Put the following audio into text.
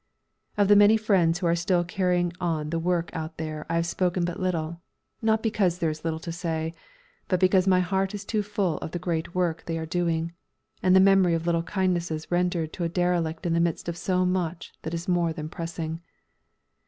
Of the many friends who are still carrying on the work out there I have spoken but little, not because there is little to say, but because my heart is too full of the great work they are doing, and the memory of little kindnesses rendered to a derelict in the midst of so much that is more pressing.